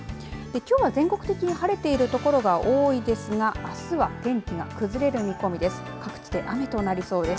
きょうは全国的に晴れている所が多いですがあすは天気が崩れる見込みです。